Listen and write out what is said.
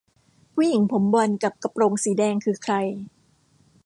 ผู้หญิงผมบลอนด์กับกระโปรงสีแดงคือใคร ?